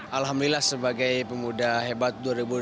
alhamdulillah sebagai pemuda hebat dua ribu delapan belas